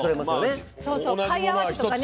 そうそう貝合わせとかね。